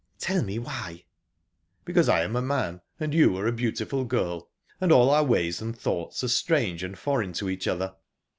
"Tell me why?" "Because I am a man, and you are a beautiful girl, and all our ways and thoughts are strange and foreign to each other.